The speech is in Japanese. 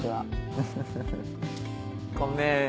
フフフごめん。